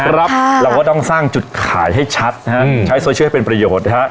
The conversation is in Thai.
เราก็ต้องสร้างจุดขายให้ชัดนะฮะใช้โซเชียลให้เป็นประโยชน์นะฮะ